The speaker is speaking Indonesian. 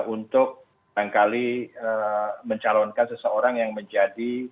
untuk barangkali mencalonkan seseorang yang menjadi